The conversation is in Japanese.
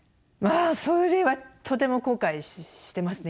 あそれはとても後悔してますね